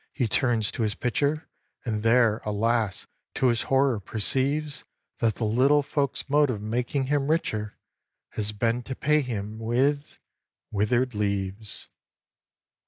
He turns to his pitcher, And there, alas! to his horror perceives, That the Little Folks' mode of making him richer Has been to pay him with withered leaves.